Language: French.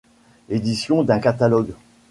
Édition d’un catalogue.